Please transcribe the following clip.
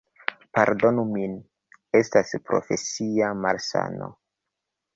Pardonu min, estas profesia malsano.